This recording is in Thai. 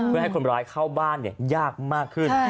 ให้คนร้ายเข้าบ้านเนี่ยยากมากขึ้น